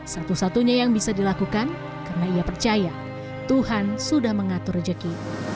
satu satunya yang bisa dilakukan karena ia percaya tuhan sudah mengatur rejeki